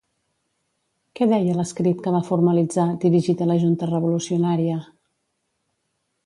Què deia l'escrit que va formalitzar, dirigit a la Junta Revolucionària?